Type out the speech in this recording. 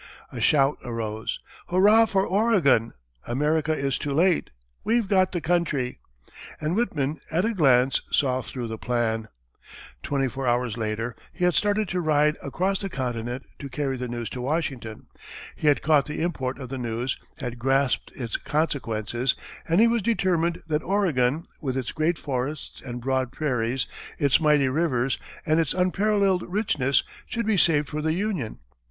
A shout arose: "Hurrah for Oregon! America is too late! We've got the country!" And Whitman, at a glance, saw through the plan. Twenty four hours later, he had started to ride across the continent to carry the news to Washington. He had caught the import of the news, had grasped its consequences, and he was determined that Oregon, with its great forests and broad prairies, its mighty rivers, and its unparalleled richness, should be saved for the Union.